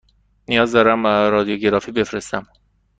نیاز دارم رادیوگرافی بفرستم.